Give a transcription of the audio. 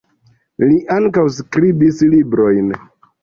Li ankaŭ skribis librojn.